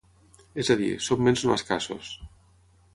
És a dir, són béns no escassos.